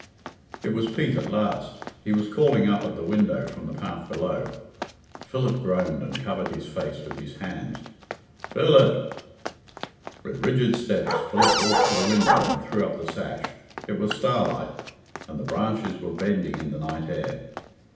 It was Pete at last He was calling up at the window from the path below. Philip groaned and covered his face with his hands. "Philip!" With rigid steps Philip walked to the window and threw up the sash. It was starlight, and the branches were bending in the night air.